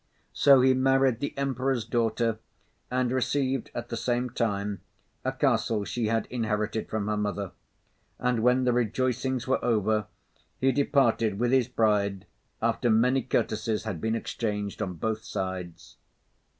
So he married the Emperor's daughter, and received at the same time a castle she had inherited from her mother; and when the rejoicings were over, he departed with his bride, after many courtesies had been exchanged on both sides.